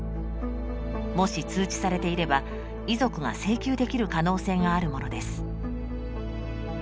もし通知されていれば遺族が請求できる可能性があるものです。